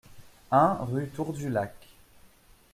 un rue Tour du Lac